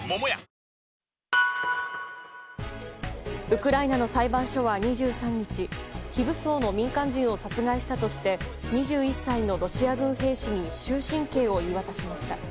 ウクライナの裁判所は２３日非武装の民間人を殺害したとして２１歳のロシア軍兵士に終身刑を言い渡しました。